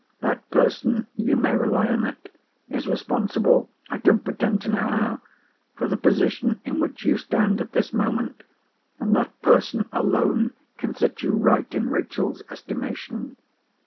That person, you may rely on it, is responsible (I don't pretend to know how) for the position in which you stand at this moment; and that person alone can set you right in Rachel's estimation."